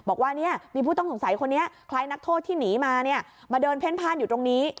บอกว่ามีผู้ต้องสงสัยคนนี้ใครนักโทษที่หนีมามาเดินเพ่นภาณอยู่ตรงนี้